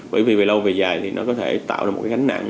bởi vì về lâu về dài thì nó có thể tạo ra một cái gánh nặng